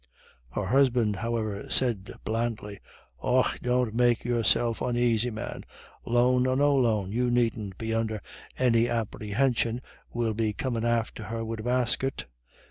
Her husband, however, said blandly, "Och, don't make yourself onaisy, man. Loan or no loan, you needn't be under any apperhinsion we'll be comin' after her wid a basket.